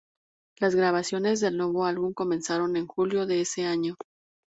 Las grabaciones del nuevo álbum comenzaron en julio de ese año.